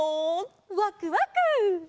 わくわく！